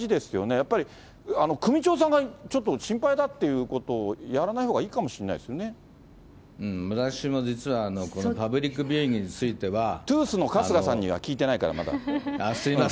やっぱり首長さんがちょっと心配だっていうことをやらないほうが私も実は、このパブリックビューイングについては。トゥースの春日さんには聞いてないから、まだ。